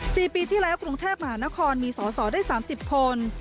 สี่ปีที่แล้วกรุงแท่มมหานครมีสอได้๓๐คน